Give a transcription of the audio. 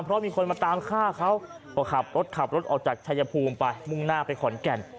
เพราะมีคนมาตามฆ่าเขาก็ขับรถขับรถออกจากชายภูมิไปมุ่งหน้าไปขอนแก่น